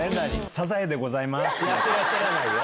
やってらっしゃらないよ。